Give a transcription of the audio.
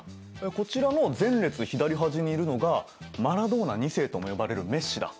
こちらも前列左端にいるのがマラドーナ２世とも呼ばれるメッシだ。